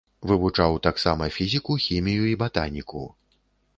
Вывучаў таксама фізіку, хімію і батаніку.